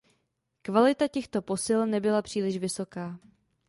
Kvalita těchto posil nebyla příliš vysoká.